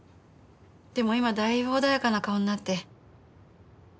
でも今はだいぶ穏やかな顔になって。